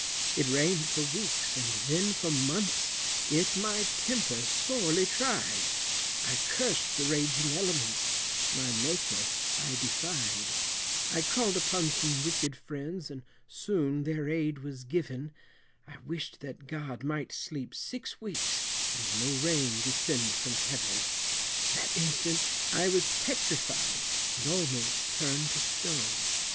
It rained for weeks, and then for months, it my temper sorely tried, I cursed the raging elements, my Maker I defied, I called upon some wicked friends, and soon their aid was given, I wished that God might sleep six weeks, and no rain descend from Heaven! That instant I was petrified, and almost turned to stone!